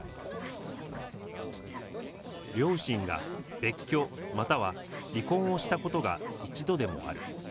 両親が別居、または離婚をしたことが一度でもある。